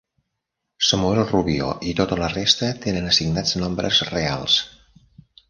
Samuel Rubio i tota la resta tenen assignats nombres reals.